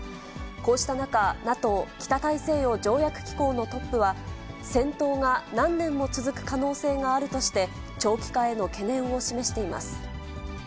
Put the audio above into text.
こうした中、ＮＡＴＯ・北大西洋条約機構のトップは、戦闘が何年も続く可能性があるとして、長期化への懸念を示しています。